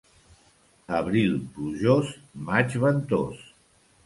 Abril plujós, maig ventós.